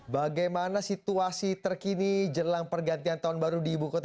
bagaimana situasi terkini jelang pergantian tahun baru di ibu kota